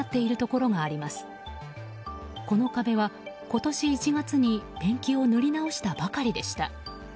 この壁は、今年１月にペンキを塗り直したばかりでした。